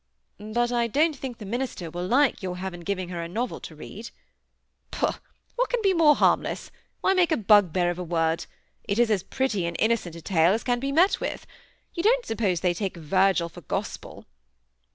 "But I don't think the minister will like your having given her a novel to read?" "Pooh! What can be more harmless? Why make a bugbear of a word? It is as pretty and innocent a tale as can be met with. You don't suppose they take Virgil for gospel?"